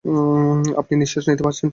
আপনি নিশ্বাস নিতে পারছেন?